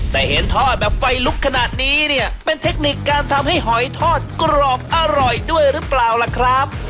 แต่เห็นทอดแบบไฟลุกขนาดนี้เนี่ยเป็นเทคนิคการทำให้หอยทอดกรอบอร่อยด้วยหรือเปล่าล่ะครับ